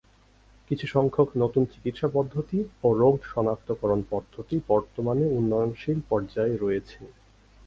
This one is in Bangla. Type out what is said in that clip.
কিছু সংখ্যক নতুন চিকিৎসা পদ্ধতি ও রোগ শনাক্তকরণ পদ্ধতি বর্তমানে উন্নয়নশীল পর্যায়ে রয়েছে।